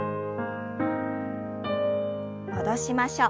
戻しましょう。